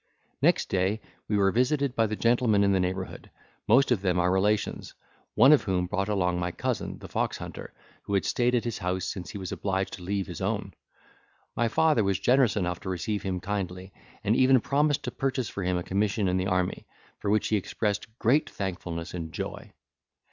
Next day we were visited by the gentlemen in the neighbourhood, most of them our relations, one of whom brought along my cousin, the foxhunter, who had stayed at his house since he was obliged to leave his own! My father was generous enough to receive him kindly, and even promised to purchase for him a commission in the army, for which he expressed great thankfulness and joy.